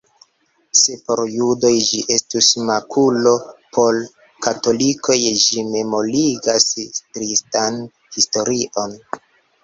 Se por judoj ĝi estus makulo, por katolikoj ĝi memorigas tristan historion.